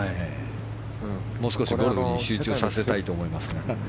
もう少しゴルフに集中させたいと思いますが。